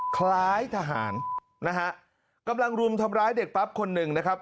คล้ายทหารนะฮะกำลังรุมทำร้ายเด็กปั๊บคนหนึ่งนะครับ